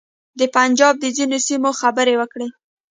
د پنجاب د ځینو سیمو خبرې وکړې.